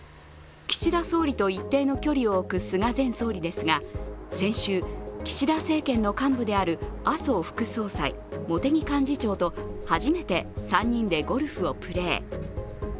岸田総理と一定の距離を置く菅前総理ですが、先週、岸田政権の幹部である麻生副総裁、茂木幹事長と初めて３人でゴルフをプレー。